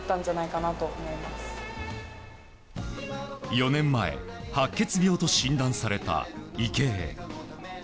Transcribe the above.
４年前、白血病と診断された池江。